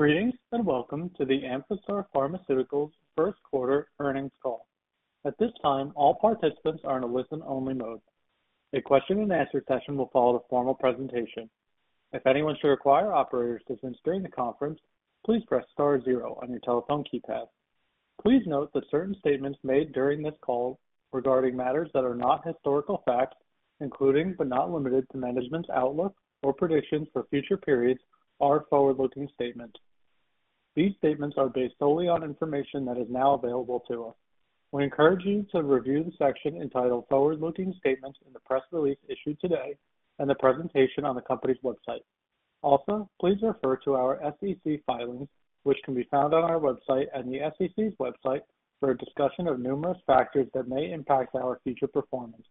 Greetings and welcome to the Amphastar Pharmaceuticals first quarter earnings call. At this time, all participants are in a listen-only mode. A question-and-answer session will follow the formal presentation. If anyone should require operator assistance during the conference, please press star zero on your telephone keypad. Please note that certain statements made during this call regarding matters that are not historical facts, including but not limited to management's outlook or predictions for future periods, are forward-looking statements. These statements are based solely on information that is now available to us. We encourage you to review the section entitled "Forward-looking Statements" in the press release issued today and the presentation on the company's website. Also, please refer to our SEC filings, which can be found on our website and the SEC's website, for a discussion of numerous factors that may impact our future performance.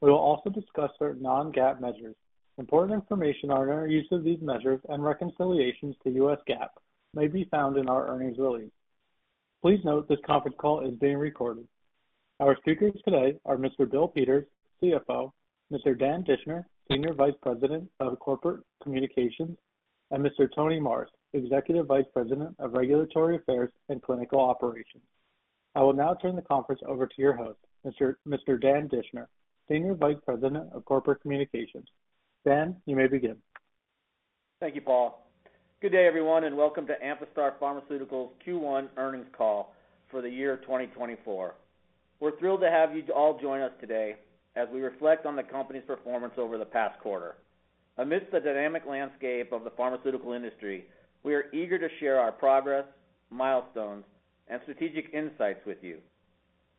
We will also discuss certain non-GAAP measures. Important information on our use of these measures and reconciliations to U.S. GAAP may be found in our earnings release. Please note this conference call is being recorded. Our speakers today are Mr. Bill Peters, CFO, Mr. Dan Dischner, Senior Vice President of Corporate Communications, and Mr. Tony Marrs, Executive Vice President of Regulatory Affairs and Clinical Operations. I will now turn the conference over to your host, Mr. Dan Dischner, Senior Vice President of Corporate Communications. Dan, you may begin. Thank you, Paul. Good day, everyone, and welcome to Amphastar Pharmaceuticals' Q1 earnings call for the year 2024. We're thrilled to have you all join us today as we reflect on the company's performance over the past quarter. Amidst the dynamic landscape of the pharmaceutical industry, we are eager to share our progress, milestones, and strategic insights with you.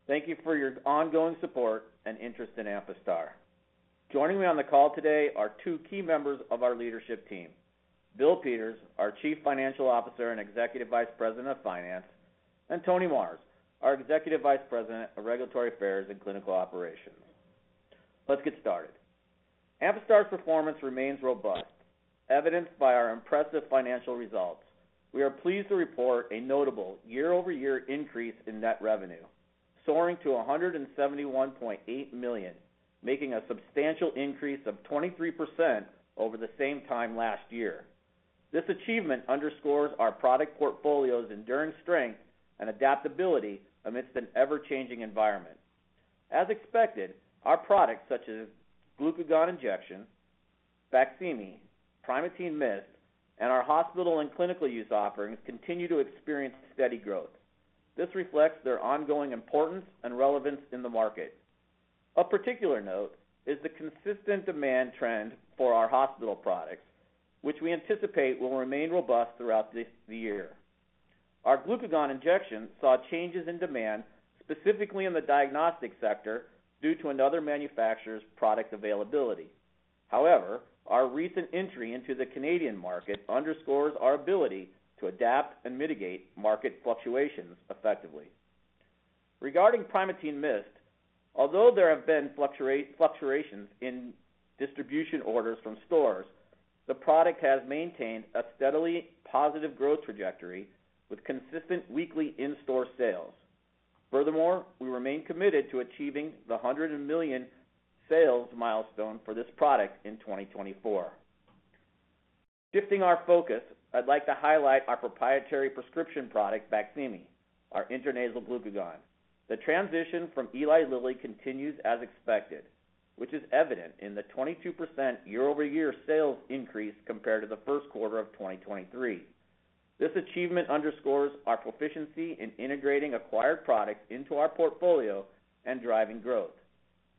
Thank you for your ongoing support and interest in Amphastar. Joining me on the call today are two key members of our leadership team: Bill Peters, our Chief Financial Officer and Executive Vice President of Finance; and Tony Marrs, our Executive Vice President of Regulatory Affairs and Clinical Operations. Let's get started. Amphastar's performance remains robust, evidenced by our impressive financial results. We are pleased to report a notable year-over-year increase in net revenue, soaring to $171.8 million, making a substantial increase of 23% over the same time last year. This achievement underscores our product portfolio's enduring strength and adaptability amidst an ever-changing environment. As expected, our products such as Glucagon Injection, BAQSIMI, Primatene MIST, and our hospital and clinical use offerings continue to experience steady growth. This reflects their ongoing importance and relevance in the market. Of particular note is the consistent demand trend for our hospital products, which we anticipate will remain robust throughout the year. Our Glucagon Injection saw changes in demand specifically in the diagnostic sector due to another manufacturer's product availability. However, our recent entry into the Canadian market underscores our ability to adapt and mitigate market fluctuations effectively. Regarding Primatene MIST, although there have been fluctuations in distribution orders from stores, the product has maintained a steadily positive growth trajectory with consistent weekly in-store sales. Furthermore, we remain committed to achieving the $100 million sales milestone for this product in 2024. Shifting our focus, I'd like to highlight our proprietary prescription product, BAQSIMI, our intranasal glucagon. The transition from Eli Lilly continues as expected, which is evident in the 22% year-over-year sales increase compared to the first quarter of 2023. This achievement underscores our proficiency in integrating acquired products into our portfolio and driving growth.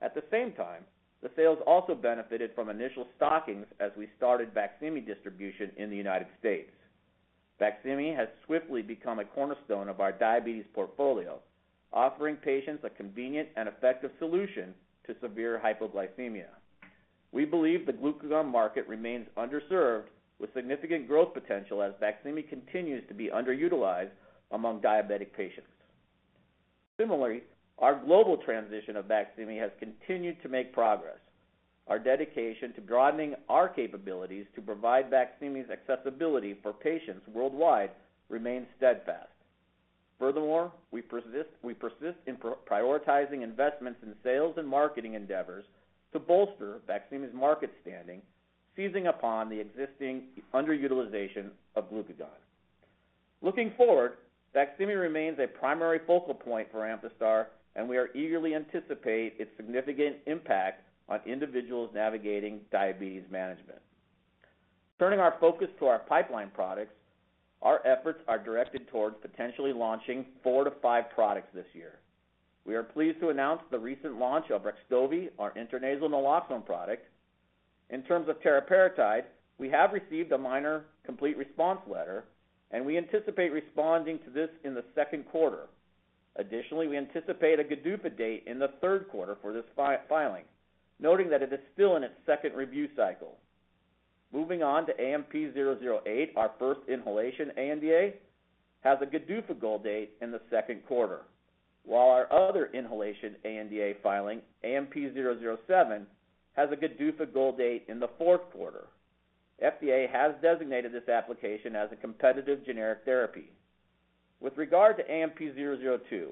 At the same time, the sales also benefited from initial stockings as we started BAQSIMI distribution in the United States. BAQSIMI has swiftly become a cornerstone of our diabetes portfolio, offering patients a convenient and effective solution to severe hypoglycemia. We believe the glucagon market remains underserved, with significant growth potential as BAQSIMI continues to be underutilized among diabetic patients. Similarly, our global transition of BAQSIMI has continued to make progress. Our dedication to broadening our capabilities to provide BAQSIMI's accessibility for patients worldwide remains steadfast. Furthermore, we persist in prioritizing investments in sales and marketing endeavors to bolster BAQSIMI's market standing, seizing upon the existing underutilization of glucagon. Looking forward, BAQSIMI remains a primary focal point for Amphastar, and we are eagerly anticipating its significant impact on individuals navigating diabetes management. Turning our focus to our pipeline products, our efforts are directed towards potentially launching 4-5 products this year. We are pleased to announce the recent launch of REXTOVY, our intranasal naloxone product. In terms of teriparatide, we have received a minor Complete Response Letter, and we anticipate responding to this in the second quarter. Additionally, we anticipate a GDUFA date in the third quarter for this filing, noting that it is still in its second review cycle. Moving on to AMP-008, our first inhalation ANDA, has a GDUFA goal date in the second quarter, while our other inhalation ANDA filing, AMP-007, has a GDUFA goal date in the fourth quarter. The FDA has designated this application as a competitive generic therapy. With regard to AMP-002,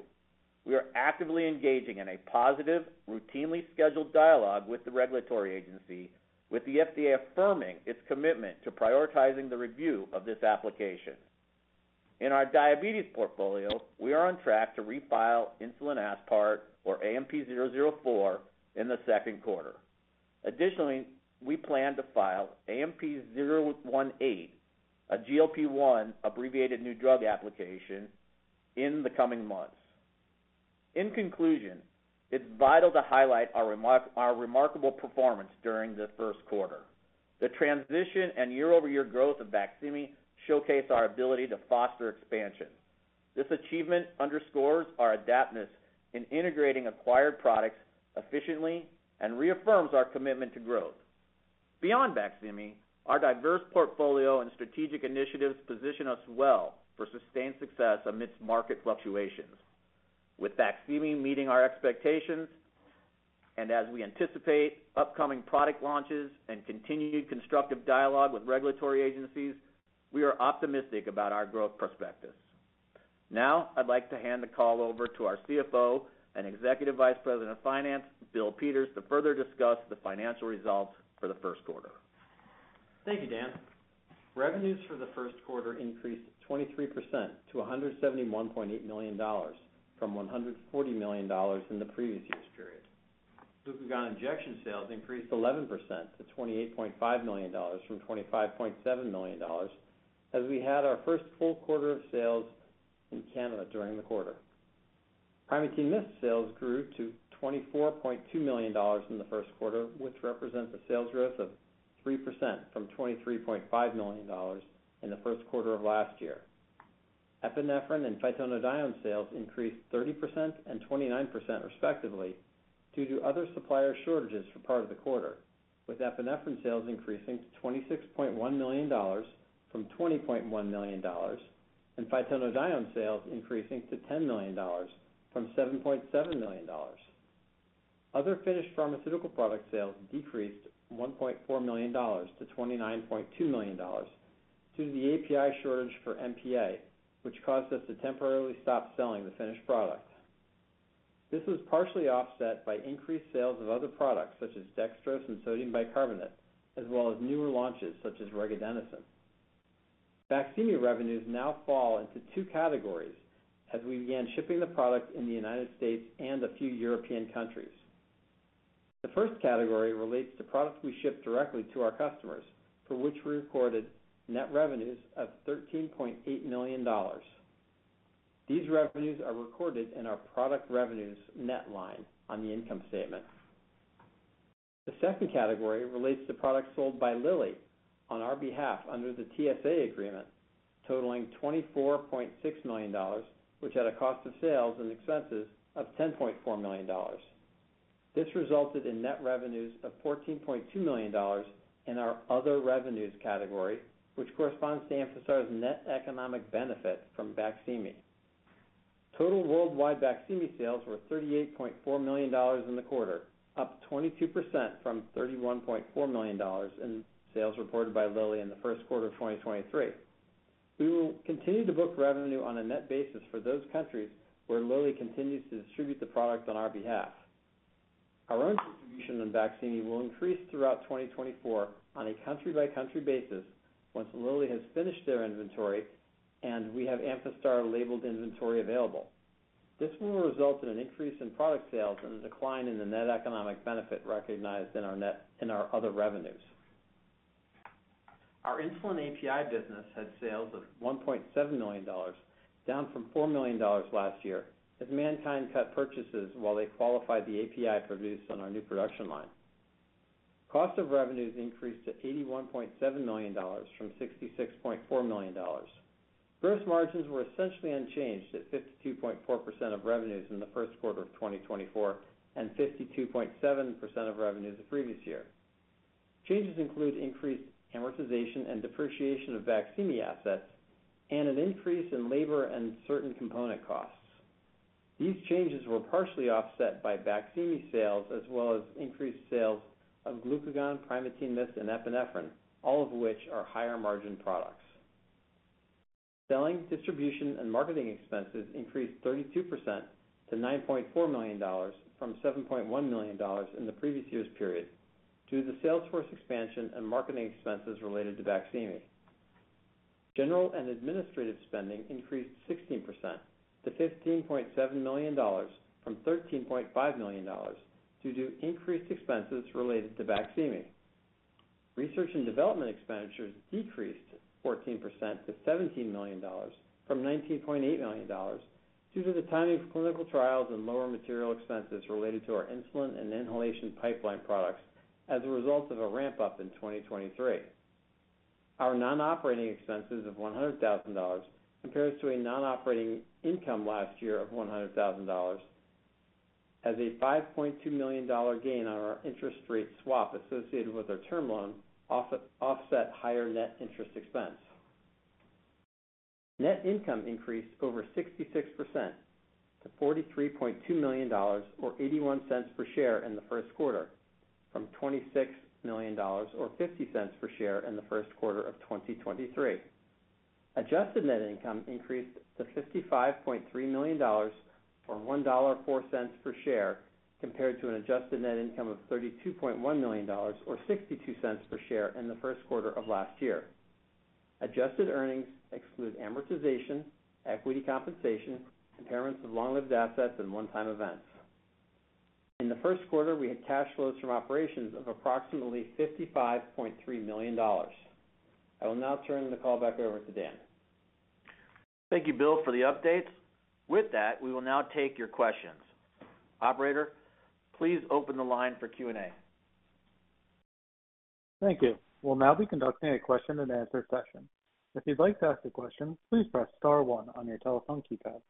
we are actively engaging in a positive, routinely scheduled dialogue with the regulatory agency, with the FDA affirming its commitment to prioritizing the review of this application. In our diabetes portfolio, we are on track to refile insulin aspart, or AMP-004, in the second quarter. Additionally, we plan to file AMP-018, a GLP-1 abbreviated new drug application, in the coming months. In conclusion, it's vital to highlight our remarkable performance during the first quarter. The transition and year-over-year growth of BAQSIMI showcase our ability to foster expansion. This achievement underscores our aptness in integrating acquired products efficiently and reaffirms our commitment to growth. Beyond BAQSIMI, our diverse portfolio and strategic initiatives position us well for sustained success amidst market fluctuations. With BAQSIMI meeting our expectations and as we anticipate upcoming product launches and continued constructive dialogue with regulatory agencies, we are optimistic about our growth prospects. Now, I'd like to hand the call over to our CFO and Executive Vice President of Finance, Bill Peters, to further discuss the financial results for the first quarter. Thank you, Dan. Revenues for the first quarter increased 23% to $171.8 million from $140 million in the previous year's period. Glucagon Injection sales increased 11% to $28.5 million from $25.7 million as we had our first full quarter of sales in Canada during the quarter. Primatene MIST sales grew to $24.2 million in the first quarter, which represents a sales growth of 3% from $23.5 million in the first quarter of last year. Epinephrine and phytonadione sales increased 30% and 29% respectively due to other supplier shortages for part of the quarter, with epinephrine sales increasing to $26.1 million from $20.1 million and phytonadione sales increasing to $10 million from $7.7 million. Other finished pharmaceutical product sales decreased $1.4 million - $29.2 million due to the API shortage for MPA, which caused us to temporarily stop selling the finished product. This was partially offset by increased sales of other products such as dextrose and sodium bicarbonate, as well as newer launches such as regadenoson. BAQSIMI revenues now fall into two categories as we began shipping the product in the United States and a few European countries. The first category relates to products we ship directly to our customers, for which we recorded net revenues of $13.8 million. These revenues are recorded in our product revenues net line on the income statement. The second category relates to products sold by Lilly on our behalf under the TSA agreement, totaling $24.6 million, which had a cost of sales and expenses of $10.4 million. This resulted in net revenues of $14.2 million in our other revenues category, which corresponds to Amphastar's net economic benefit from BAQSIMI. Total worldwide BAQSIMI sales were $38.4 million in the quarter, up 22% from $31.4 million in sales reported by Lilly in the first quarter of 2023. We will continue to book revenue on a net basis for those countries where Lilly continues to distribute the product on our behalf. Our own distribution on BAQSIMI will increase throughout 2024 on a country-by-country basis once Lilly has finished their inventory and we have Amphastar labeled inventory available. This will result in an increase in product sales and a decline in the net economic benefit recognized in our other revenues. Our insulin API business had sales of $1.7 million, down from $4 million last year as MannKind cut purchases while they qualified the API produced on our new production line. Cost of revenues increased to $81.7 million from $66.4 million. Gross margins were essentially unchanged at 52.4% of revenues in the first quarter of 2024 and 52.7% of revenues the previous year. Changes include increased amortization and depreciation of BAQSIMI assets and an increase in labor and certain component costs. These changes were partially offset by BAQSIMI sales as well as increased sales of glucagon, Primatene MIST and Epinephrine, all of which are higher-margin products. Selling, distribution, and marketing expenses increased 32% to $9.4 million from $7.1 million in the previous year's period due to the salesforce expansion and marketing expenses related to BAQSIMI. General and administrative spending increased 16% to $15.7 million from $13.5 million due to increased expenses related to BAQSIMI Research and development expenditures decreased 14% to $17 million from $19.8 million due to the timing of clinical trials and lower material expenses related to our insulin and inhalation pipeline products as a result of a ramp-up in 2023. Our non-operating expenses of $100,000 compared to a non-operating income last year of $100,000, as a $5.2 million gain on our interest rate swap associated with our term loan offset higher net interest expense. Net income increased over 66% to $43.2 million or $0.81 per share in the first quarter, from $26 million or $0.50 per share in the first quarter of 2023. Adjusted net income increased to $55.3 million or $1.04 per share compared to an adjusted net income of $32.1 million or $0.62 per share in the first quarter of last year. Adjusted earnings exclude amortization, equity compensation, impairments of long-lived assets, and one-time events. In the first quarter, we had cash flows from operations of approximately $55.3 million. I will now turn the call back over to Dan. Thank you, Bill, for the updates. With that, we will now take your questions. Operator, please open the line for Q&A. Thank you. We'll now be conducting a question-and-answer session. If you'd like to ask a question, please press star one on your telephone keypad.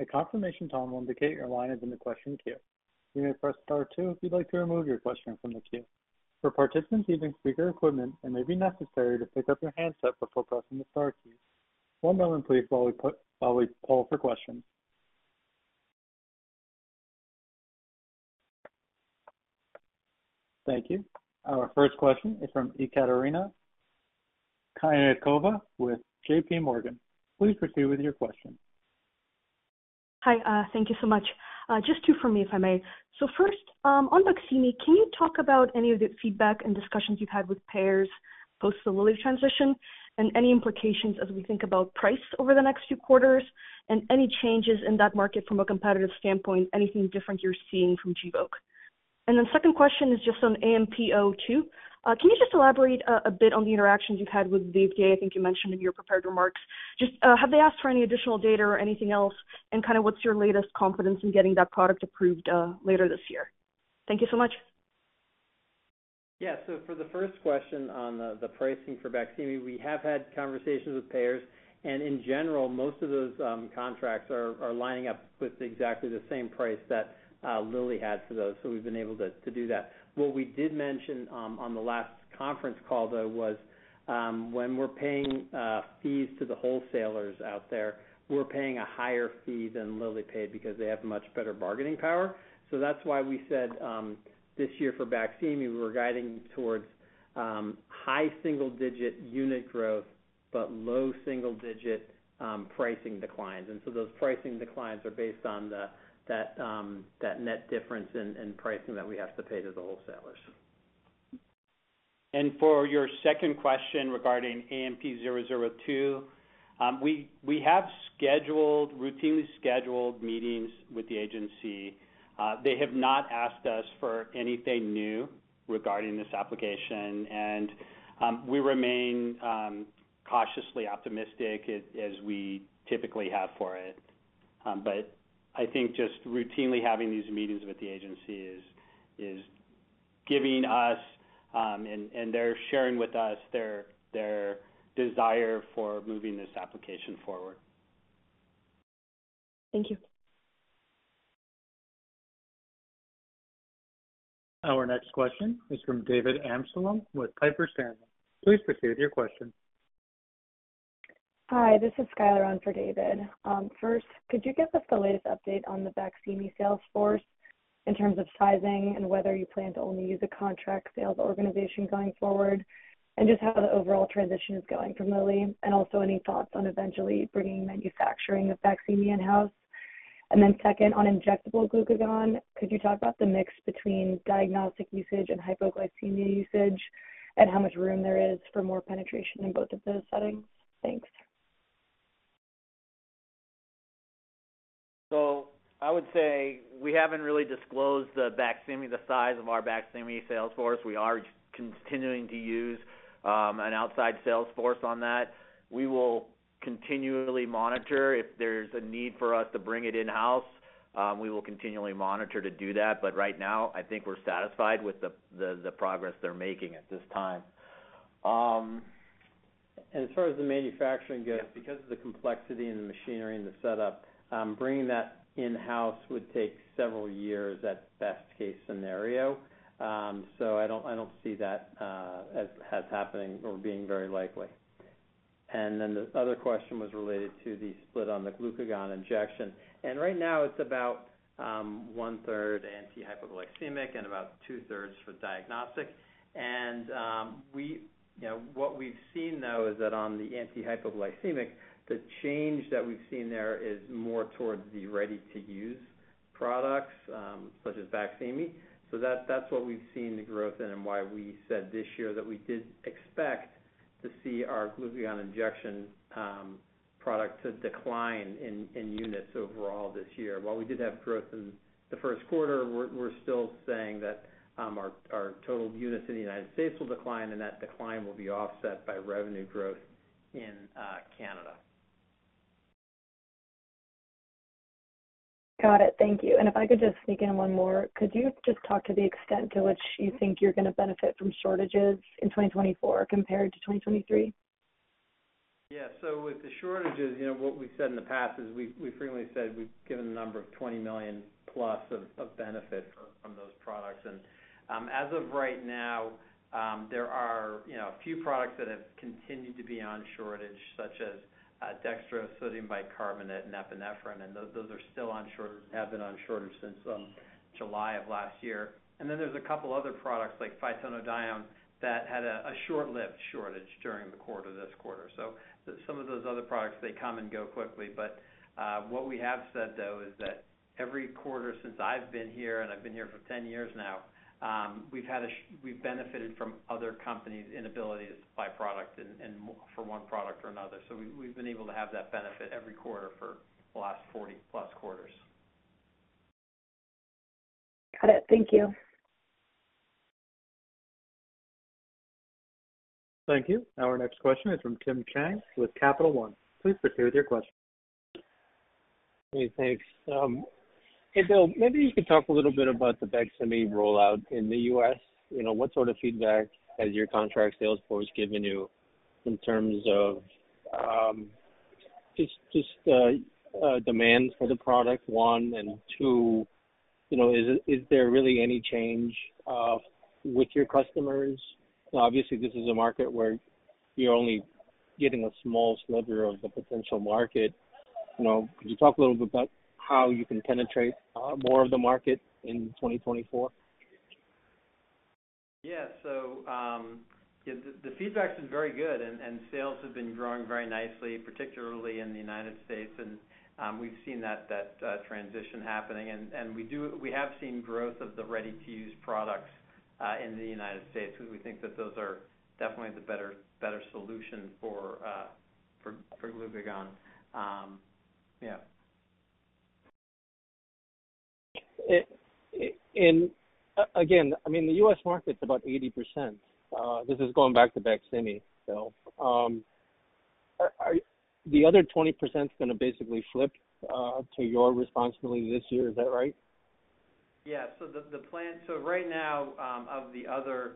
A confirmation tone will indicate your line is in the question queue. You may press star two if you'd like to remove your question from the queue. For participants using speaker equipment, it may be necessary to pick up your handset before pressing the star key. One moment, please, while we pull for questions. Thank you. Our first question is from Ekaterina Knyazkova with J.P. Morgan. Please proceed with your question. Hi. Thank you so much. Just two for me, if I may. So first, on BAQSIMI, can you talk about any of the feedback and discussions you've had with payers post the Lilly transition and any implications as we think about price over the next few quarters, and any changes in that market from a competitive standpoint, anything different you're seeing from Gvoke? And then the second question is just on AMP-002. Can you just elaborate a bit on the interactions you've had with the FDA? I think you mentioned in your prepared remarks. Have they asked for any additional data or anything else, and kind of what's your latest confidence in getting that product approved later this year? Thank you so much. Yeah. So for the first question on the pricing for BAQSIMI, we have had conversations with payers, and in general, most of those contracts are lining up with exactly the same price that Lilly had for those, so we've been able to do that. What we did mention on the last conference call, though, was when we're paying fees to the wholesalers out there, we're paying a higher fee than Lilly paid because they have much better bargaining power. So that's why we said this year for BAQSIMI, we were guiding towards high single-digit unit growth but low single-digit pricing declines. And so those pricing declines are based on that net difference in pricing that we have to pay to the wholesalers. For your second question regarding AMP-002, we have routinely scheduled meetings with the agency. They have not asked us for anything new regarding this application, and we remain cautiously optimistic as we typically have for it. But I think just routinely having these meetings with the agency is giving us and they're sharing with us their desire for moving this application forward. Thank you. Our next question is from David Amsellem with Piper Sandler. Please proceed with your question. Hi. This is Skylar on for David. First, could you give us the latest update on the BAQSIMI salesforce in terms of sizing and whether you plan to only use a contract sales organization going forward, and just how the overall transition is going from Lilly, and also any thoughts on eventually bringing manufacturing of BAQSIMI in-house? And then second, on injectable glucagon, could you talk about the mix between diagnostic usage and hypoglycemia usage and how much room there is for more penetration in both of those settings? Thanks. So I would say we haven't really disclosed the size of our BAQSIMI sales force. We are continuing to use an outside sales force on that. We will continually monitor. If there's a need for us to bring it in-house, we will continually monitor to do that. But right now, I think we're satisfied with the progress they're making at this time. As far as the manufacturing goes, because of the complexity in the machinery and the setup, bringing that in-house would take several years at best-case scenario. So I don't see that as happening or being very likely. Then the other question was related to the split on the Glucagon Injection. And right now, it's about one-third anti-hypoglycemic and about two-thirds for diagnostic. And what we've seen, though, is that on the anti-hypoglycemic, the change that we've seen there is more towards the ready-to-use products such as BAQSIMI. So that's what we've seen the growth in and why we said this year that we did expect to see our Glucagon Injection product to decline in units overall this year. While we did have growth in the first quarter, we're still saying that our total units in the United States will decline, and that decline will be offset by revenue growth in Canada. Got it. Thank you. If I could just sneak in one more, could you just talk to the extent to which you think you're going to benefit from shortages in 2024 compared to 2023? Yeah. So with the shortages, what we've said in the past is we've frequently said we've given a number of $20 million+ of benefit from those products. And as of right now, there are a few products that have continued to be on shortage, such as dextrose, sodium bicarbonate, and epinephrine. And those are still on shortage and have been on shortage since July of last year. And then there's a couple of other products like phytonadione that had a short-lived shortage during this quarter. So some of those other products, they come and go quickly. But what we have said, though, is that every quarter since I've been here - and I've been here for 10 years now - we've benefited from other companies' inability to supply product for one product or another. So we've been able to have that benefit every quarter for the last 40+ quarters. Got it. Thank you. Thank you. Our next question is from Tim Chiang with Capital One. Please proceed with your question. Hey. Thanks. Hey, Bill, maybe you could talk a little bit about the BAQSIMI rollout in the U.S. What sort of feedback has your contract salesforce given you in terms of just demand for the product, one? And two, is there really any change with your customers? Obviously, this is a market where you're only getting a small sliver of the potential market. Could you talk a little bit about how you can penetrate more of the market in 2024? Yeah. So the feedback's been very good, and sales have been growing very nicely, particularly in the United States. And we've seen that transition happening. And we have seen growth of the ready-to-use products in the United States, because we think that those are definitely the better solution for glucagon. Yeah. And again, I mean, the US market's about 80%. This is going back to BAQSIMI, though. The other 20%'s going to basically flip to your responsibility this year. Is that right? Yeah. So right now, of the other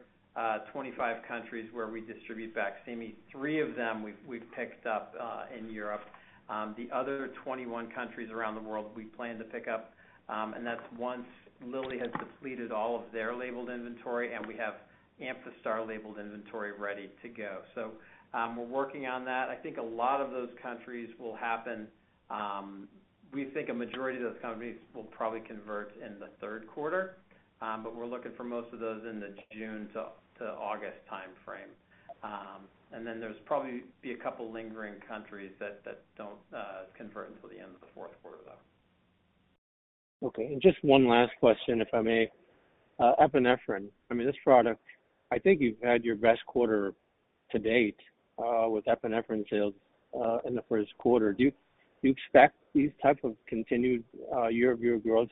25 countries where we distribute BAQSIMI, three of them we've picked up in Europe. The other 21 countries around the world, we plan to pick up. And that's once Lilly has depleted all of their labeled inventory, and we have Amphastar labeled inventory ready to go. So we're working on that. I think a lot of those countries will happen. We think a majority of those companies will probably convert in the third quarter, but we're looking for most of those in the June - August timeframe. And then there's probably be a couple of lingering countries that don't convert until the end of the fourth quarter, though. Okay. And just one last question, if I may. Epinephrine. I mean, this product, I think you've had your best quarter to date with epinephrine sales in the first quarter. Do you expect these types of continued year-over-year growth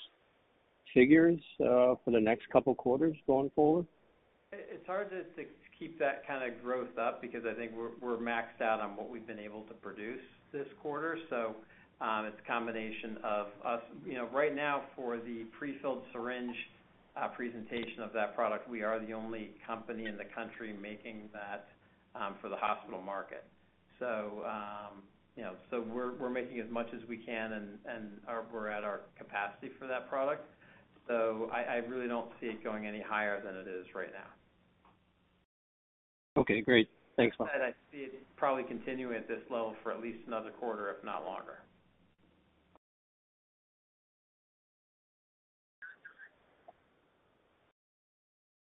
figures for the next couple of quarters going forward? It's hard to keep that kind of growth up because I think we're maxed out on what we've been able to produce this quarter. So it's a combination of us right now, for the prefilled syringe presentation of that product, we are the only company in the country making that for the hospital market. So we're making as much as we can, and we're at our capacity for that product. So I really don't see it going any higher than it is right now. Okay. Great. Thanks, Bill. I'd say I'd see it probably continue at this level for at least another quarter, if not longer.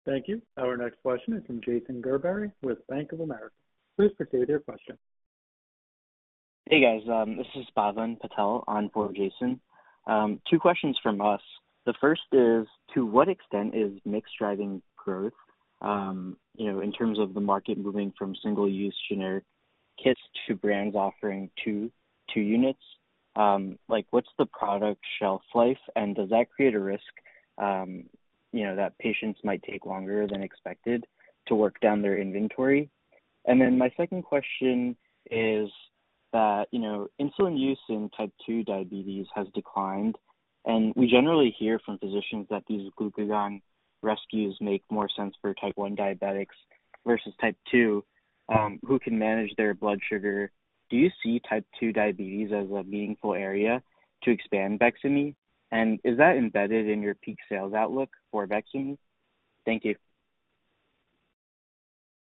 Thank you. Our next question is from Jason Gerberry with Bank of America. Please proceed with your question. Hey, guys. This is Bhavan Patel on for Jason. Two questions from us. The first is, to what extent is mixed-driving growth in terms of the market moving from single-use generic kits to brands offering two units? What's the product's shelf life, and does that create a risk that patients might take longer than expected to work down their inventory? And then my second question is that insulin use in Type 2 diabetes has declined, and we generally hear from physicians that these glucagon rescues make more sense for Type 1 diabetics versus Type 2. Who can manage their blood sugar? Do you see Type 2 diabetes as a meaningful area to expand BAQSIMI, and is that embedded in your peak sales outlook for BAQSIMI? Thank you.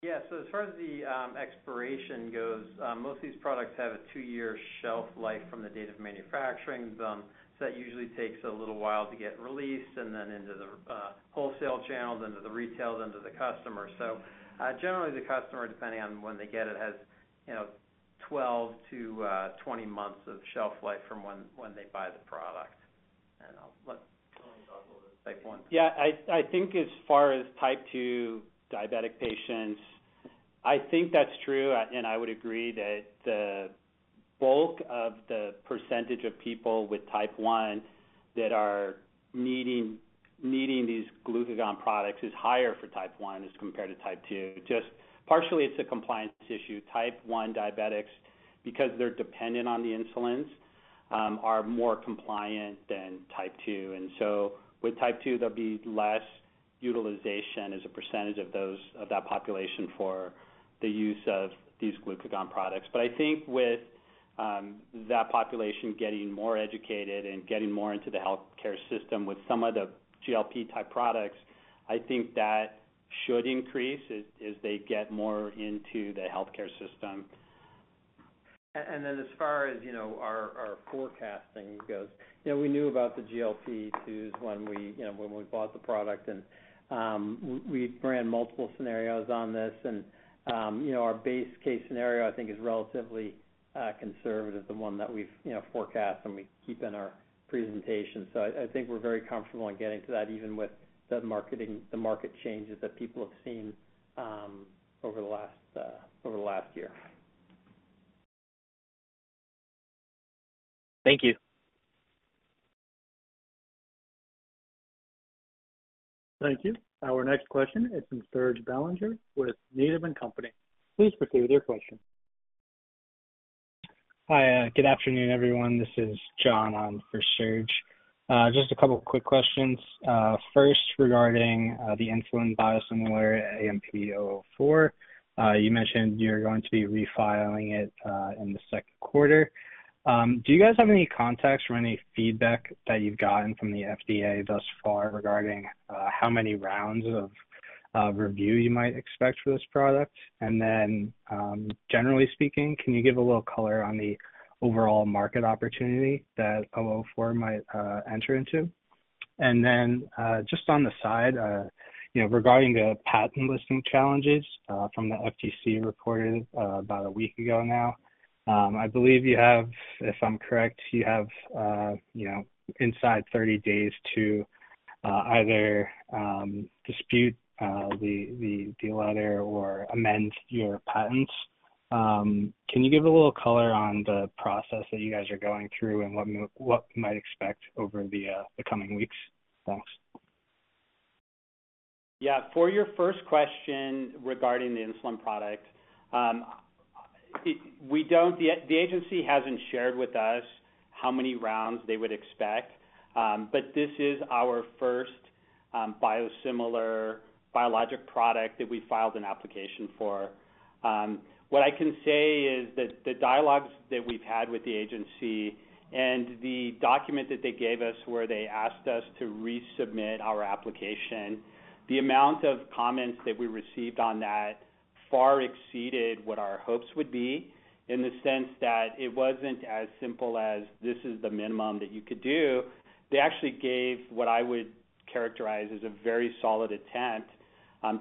Yeah. So as far as the expiration goes, most of these products have a 2-year shelf life from the date of manufacturing. So that usually takes a little while to get released and then into the wholesale channels, into the retail, into the customer. So generally, the customer, depending on when they get it, has 12 months - 20 months of shelf life from when they buy the product. And I'll let Type 1. Yeah. I think as far as Type 2 diabetic patients, I think that's true, and I would agree that the bulk of the percentage of people with Type 1 that are needing these glucagon products is higher for Type 1 as compared to Type 2. Just partially, it's a compliance issue. Type 1 diabetics, because they're dependent on the insulins, are more compliant than Type 2. And so with Type 2, there'll be less utilization as a percentage of that population for the use of these glucagon products. But I think with that population getting more educated and getting more into the healthcare system with some of the GLP-type products, I think that should increase as they get more into the healthcare system. Then as far as our forecasting goes, we knew about the GLP-1s when we bought the product, and we ran multiple scenarios on this. Our base-case scenario, I think, is relatively conservative, the one that we've forecast, and we keep in our presentation. I think we're very comfortable in getting to that even with the market changes that people have seen over the last year. Thank you. Thank you. Our next question is from Serge Belanger with Needham & Company. Please proceed with your question. Hi. Good afternoon, everyone. This is John on for Serge. Just a couple of quick questions. First, regarding the insulin biosimilar AMP-004, you mentioned you're going to be refiling it in the second quarter. Do you guys have any contacts or any feedback that you've gotten from the FDA thus far regarding how many rounds of review you might expect for this product? And then generally speaking, can you give a little color on the overall market opportunity that 004 might enter into? And then just on the side, regarding the patent listing challenges from the FTC reported about a week ago now, I believe you have, if I'm correct, you have inside 30 days to either dispute the letter or amend your patents. Can you give a little color on the process that you guys are going through and what you might expect over the coming weeks? Thanks. Yeah. For your first question regarding the insulin product, the agency hasn't shared with us how many rounds they would expect, but this is our first biosimilar biologic product that we filed an application for. What I can say is that the dialogues that we've had with the agency and the document that they gave us where they asked us to resubmit our application, the amount of comments that we received on that far exceeded what our hopes would be in the sense that it wasn't as simple as, "This is the minimum that you could do." They actually gave what I would characterize as a very solid attempt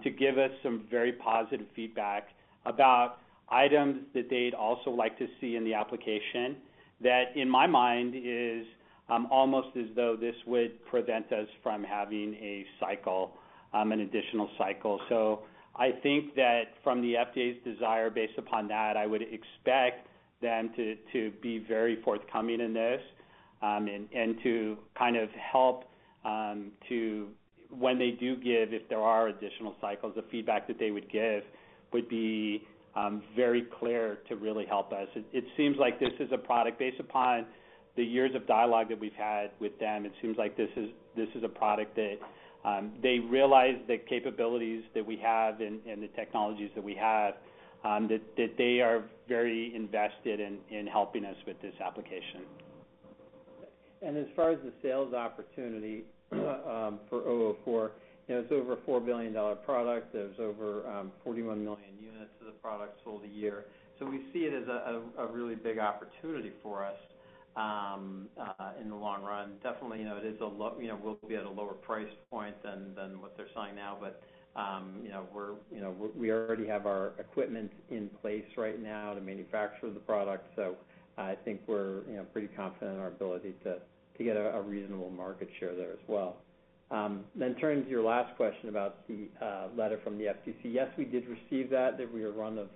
to give us some very positive feedback about items that they'd also like to see in the application that, in my mind, is almost as though this would prevent us from having an additional cycle. So I think that from the FDA's desire based upon that, I would expect them to be very forthcoming in this and to kind of help to, when they do give, if there are additional cycles, the feedback that they would give would be very clear to really help us. It seems like this is a product based upon the years of dialogue that we've had with them. It seems like this is a product that they realize the capabilities that we have and the technologies that we have, that they are very invested in helping us with this application. As far as the sales opportunity for 004, it's over a $4 billion product. There's over 41 million units of the product sold a year. We see it as a really big opportunity for us in the long run. Definitely, we'll be at a lower price point than what they're selling now, but we already have our equipment in place right now to manufacture the product. So I think we're pretty confident in our ability to get a reasonable market share there as well. In terms of your last question about the letter from the FTC, yes, we did receive that. There were a run of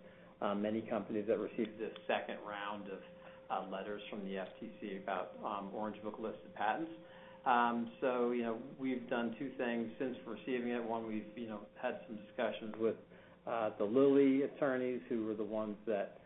many companies that received this second round of letters from the FTC about Orange Book listed patents. So we've done two things since receiving it. One, we've had some discussions with the Lilly attorneys, who were the ones that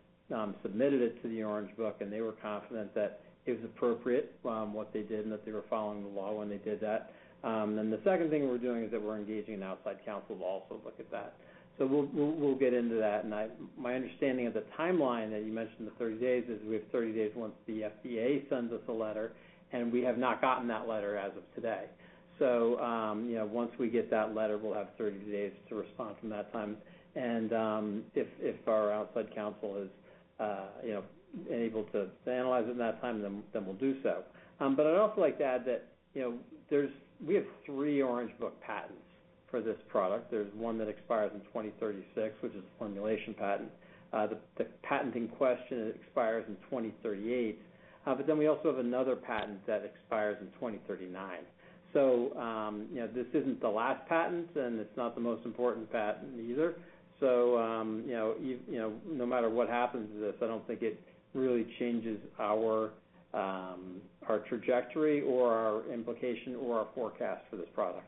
submitted it to the Orange Book, and they were confident that it was appropriate, what they did, and that they were following the law when they did that. Then the second thing we're doing is that we're engaging an outside counsel to also look at that. So we'll get into that. And my understanding of the timeline that you mentioned, the 30 days, is we have 30 days once the FDA sends us a letter, and we have not gotten that letter as of today. So once we get that letter, we'll have 30 days to respond from that time. And if our outside counsel is able to analyze it in that time, then we'll do so. But I'd also like to add that we have three Orange Book patents for this product. There's one that expires in 2036, which is the formulation patent. The patent in question expires in 2038. But then we also have another patent that expires in 2039. So this isn't the last patent, and it's not the most important patent either. So no matter what happens to this, I don't think it really changes our trajectory or our implication or our forecast for this product.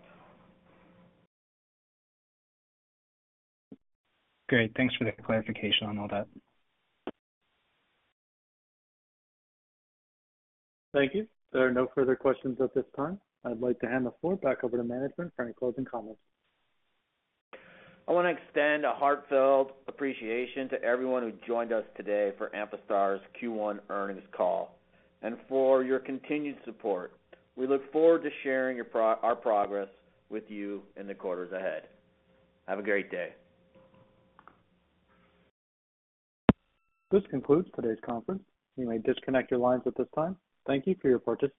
Great. Thanks for the clarification on all that. Thank you. There are no further questions at this time. I'd like to hand the floor back over to management for any closing comments. I want to extend a heartfelt appreciation to everyone who joined us today for Amphastar's Q1 earnings call and for your continued support. We look forward to sharing our progress with you in the quarters ahead. Have a great day. This concludes today's conference. You may disconnect your lines at this time. Thank you for your participation.